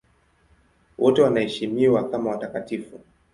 Wote wanaheshimiwa kama watakatifu.